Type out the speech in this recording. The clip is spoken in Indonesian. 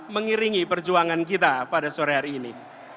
mengiringi perjuangan kita pada sore hari ini